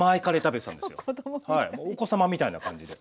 お子さまみたいな感じで。